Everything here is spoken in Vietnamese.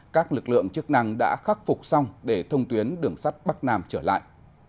các lực lượng chức năng đã khắc phục xong để thông tuyến đường sắt bắc nam trở lại